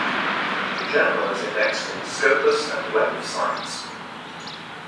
The journal is indexed in Scopus and Web of Science.